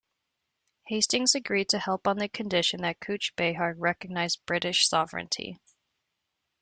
Hastings agreed to help on the condition that Cooch Behar recognise British sovereignty.